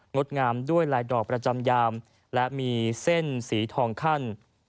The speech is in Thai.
ดงามด้วยลายดอกประจำยามและมีเส้นสีทองขั้น